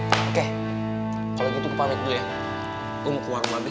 oke kalau gitu gue pamit dulu ya gue mau keluar lagi